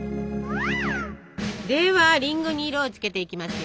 ではりんごに色をつけていきますよ。